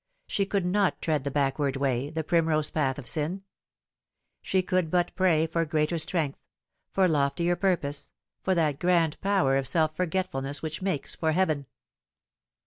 She could not tread the backward way, the primrose path of sin. She could but pray for greater strength, for loftier pur pose, for that grand power of self forgetfulness which makes for heaven.